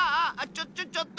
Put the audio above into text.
ちょちょちょっと！